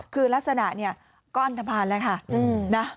คือลักษณะเนี่ยก้อนทบานแล้วค่ะนะ